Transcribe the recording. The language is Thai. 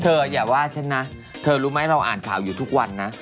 อย่าว่าฉันนะเธอรู้ไหมเราอ่านข่าวอยู่ทุกวันนะ